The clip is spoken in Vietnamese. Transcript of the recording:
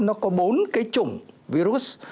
nó có bốn cái chủng virus